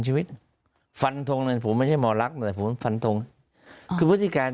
ชีวิตฟันทรงแล้วผมไม่ใช่หมอลักฟันทรงขึ้นพุทธิการ